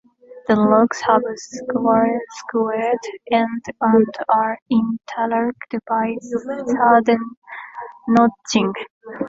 The logs have squared ends and are interlocked by saddle notching.